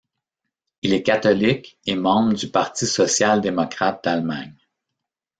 Il est catholique et membre du Parti social-démocrate d'Allemagne.